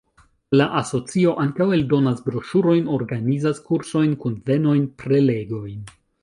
La asocio ankaŭ eldonas broŝurojn, organizas kursojn, kunvenojn, prelegojn.